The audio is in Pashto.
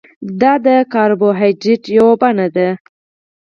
دا د کاربوهایډریټ یوه بڼه ده